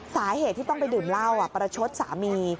สาเหตุที่ต้องไปดื่มเหล้าประชดสามี